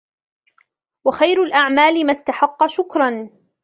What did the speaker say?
وَخَيْرُ الْأَعْمَالِ مَا اسْتَحَقَّ شُكْرًا